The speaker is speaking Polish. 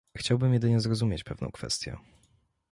Chciałbym jedynie zrozumieć pewna kwestię